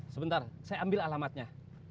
sebentar saya ambil alamatnya